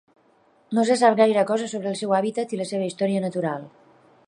No se sap gaire cosa sobre el seu hàbitat i la seva història natural.